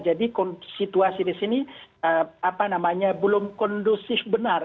jadi situasi di sini apa namanya belum kondusif benar